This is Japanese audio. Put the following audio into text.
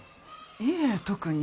いえ特に。